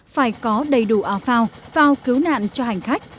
phải có đầy đủ áo phao vào cứu nạn cho hành khách